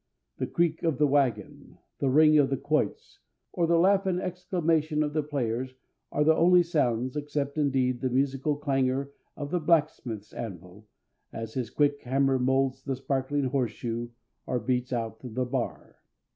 The creak of the wagon, the ring of the quoits, or the laugh and exclamation of the players are the only sounds, except, indeed, the musical clangor of the blacksmith's anvil, as his quick hammer moulds the sparkling horseshoe or beats out the bar.